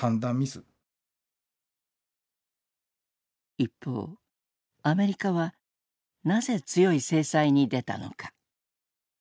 一方アメリカはなぜ強い制裁に出たのか。